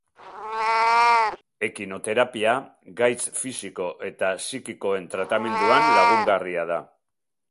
Ekinoterapia gaitz fisiko eta sikikoen tratamenduan lagungarria da.